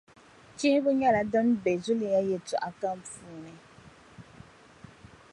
chihibu nyɛla din be zuliya yɛlitɔɣa kam puuni.